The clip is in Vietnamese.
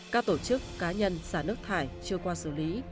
các tổ chức cá nhân xả nước thải chưa qua xử lý